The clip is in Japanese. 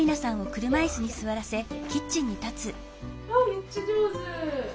めっちゃ上手。